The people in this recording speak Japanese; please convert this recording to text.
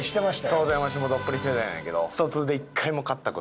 当然わしもどっぷり世代なんやけど。